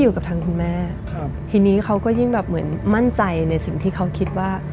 อยู่กับทางคุณแม่ครับทีนี้เขาก็ยิ่งแบบเหมือนมั่นใจในสิ่งที่เขาคิดว่า